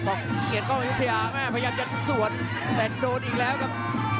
บอกเกียรติป้องอยู่ที่ภาพพยายามจะสวดแต่โดนอีกแล้วครับ